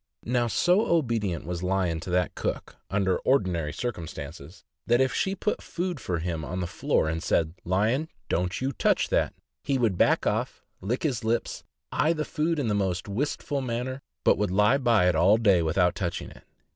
Now, so obedient was Lion to that cook, under ordinary circumstances, that if she put food for him on the floor and said, "Lion, don't you touch that," he would back off, lick his lips, eye the food in the most wistful manner, but would lie by it all day without touching it.